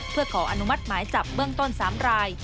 เพื่อขออนุมัติหมายจับเบื้องต้น๓ราย